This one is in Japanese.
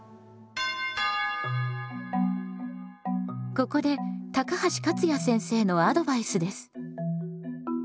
ここで高橋勝也先生のアドバイスです。